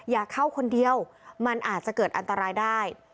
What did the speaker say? อย่าเข้าคนเดียวมันอาจจะเกิดอันตรายได้